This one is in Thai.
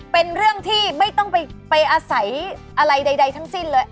เป็นเรื่องที่ไม่ต้องไปอาศัยอะไรใดทั้งสิ้นเลย